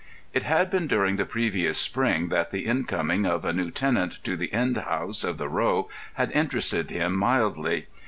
It had been during the previous spring that the incoming of a new tenant to the end house of the row had interested him mildly.